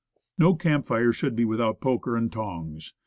No camp fire should be without poker and tongs.